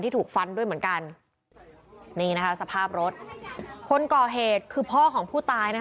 ถูกฟันด้วยเหมือนกันนี่นะคะสภาพรถคนก่อเหตุคือพ่อของผู้ตายนะคะ